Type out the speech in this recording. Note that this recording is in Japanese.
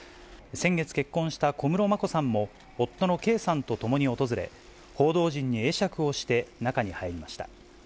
先月結婚した小室眞子さんも、夫の圭さんと共に訪れ、報道陣に会釈をして中に入りました。